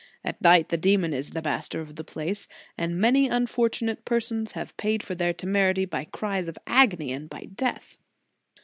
At night the demon is master of the place, and many unfortunate persons have paid for their temerity by cries of agony and by death.